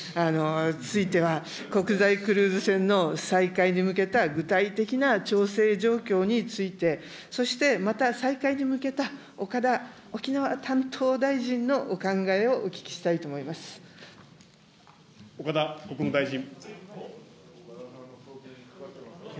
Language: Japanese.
ついては国際クルーズ船の再開に向けた具体的な調整状況について、そしてまた再開に向けた岡田沖縄担当大臣のお考えをお聞きしたい岡田国務大臣。